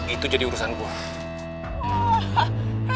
itu jadi urusan gue